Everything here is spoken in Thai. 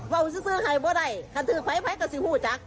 ถ้าคือไฟก็สิ้นหูจักร